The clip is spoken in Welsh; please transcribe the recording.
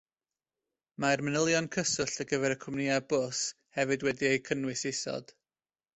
Mae'r manylion cyswllt ar gyfer y cwmnïau bws hefyd wedi eu cynnwys isod